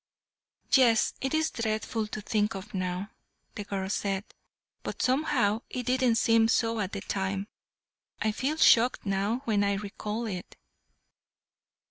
"Yes, it is dreadful to think of now," the girl said; "but somehow it didn't seem so at the time. I feel shocked now when I recall it."